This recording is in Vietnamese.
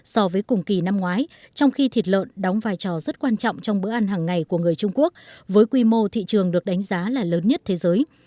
so với cùng kỳ năm ngoái trong khi thịt lợn đóng vai trò rất quan trọng trong bữa ăn hàng ngày của người trung quốc với quy mô thị trường được đánh giá là lớn nhất thế giới